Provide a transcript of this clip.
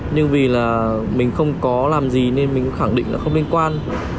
nhưng vì là mình không có làm gì nên mình cũng khẳng định là không liên quan